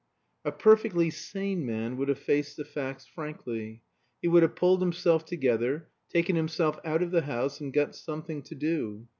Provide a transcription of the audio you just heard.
A perfectly sane man would have faced the facts frankly. He would have pulled himself together, taken himself out of the house, and got something to do.